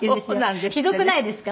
ひどくないですか？